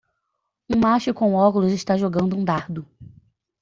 Um macho com óculos está jogando um dardo.